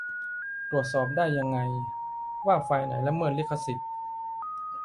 ตรวจสอบได้ยังไง ว่า ไฟล์ไหนละเมิดลิขสิทธิ์